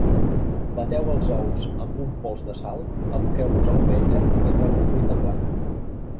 Bateu els ous amb un pols de sal, aboqueu-los a la paella i feu una truita plana.